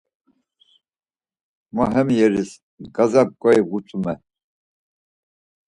Ma hemyeris Ğezep kyoi butzumer.